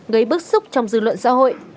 gây bức xúc trong dư luận xã hội